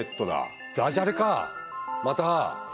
ダジャレかまた。